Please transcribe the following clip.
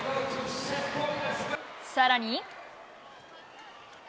さらに。